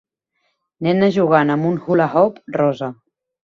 Nena jugant amb un hula hoop rosa.